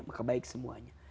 maka baik semuanya